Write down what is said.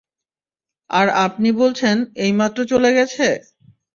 আর আপনি বলছেন, এইমাত্র চলে গেছে?